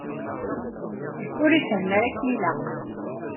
Ur ifehhem ara akken ilaq.